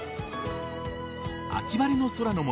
秋晴れの空の下